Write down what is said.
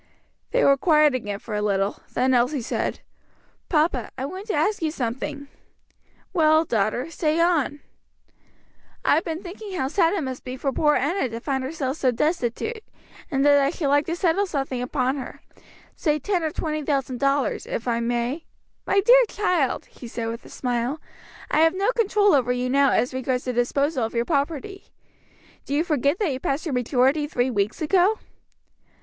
They were quiet again for a little; then Elsie said, "Papa, I want to ask you something." "Well, daughter, say on." "I have been thinking how sad it must be for poor Enna to find herself so destitute, and that I should like to settle something upon her say ten or twenty thousand dollars, if I may " "My dear child," he said with a smile, "I have no control over you now as regards the disposal of your property. Do you forget that you passed your majority three weeks ago?"